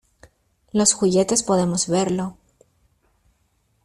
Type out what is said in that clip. Los juguetes podemos verlo...